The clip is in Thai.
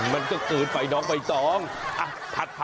พริกกระเด็นเข้าตา